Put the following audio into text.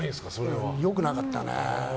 良くなかったね。